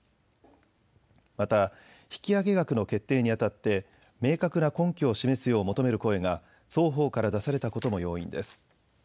また引き上げ額の決定にあたって明確な根拠を示すよう求める声が双方から出されたことも要因です。